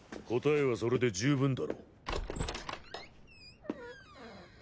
答えはそれで十分だろう？